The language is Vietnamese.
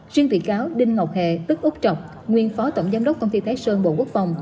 chuyên vị cáo đinh ngọc hệ tức úc trọc nguyên phó tổng giám đốc công ty thái sơn bộ quốc phòng